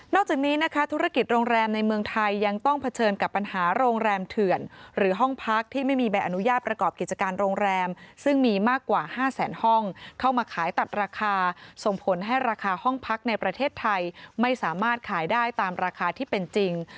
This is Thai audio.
จากนี้นะคะธุรกิจโรงแรมในเมืองไทยยังต้องเผชิญกับปัญหาโรงแรมเถื่อนหรือห้องพักที่ไม่มีใบอนุญาตประกอบกิจการโรงแรมซึ่งมีมากกว่า๕แสนห้องเข้ามาขายตัดราคาส่งผลให้ราคาห้องพักในประเทศไทยไม่สามารถขายได้ตามราคาที่เป็นจริง